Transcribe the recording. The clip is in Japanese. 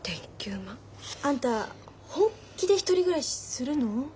あんた本気で１人暮らしするの？